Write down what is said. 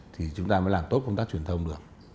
thì chúng ta mới làm tốt công tác truyền thông được